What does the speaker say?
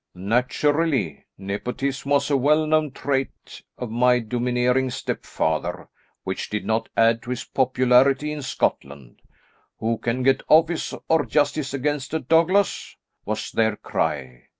"Naturally; nepotism was a well known trait of my domineering step father, which did not add to his popularity in Scotland. Who can get office, or justice against a Douglas? was their cry.